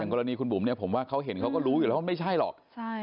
กรณีคุณบุ๋มเนี่ยผมว่าเขาเห็นเขาก็รู้อยู่แล้วว่าไม่ใช่หรอก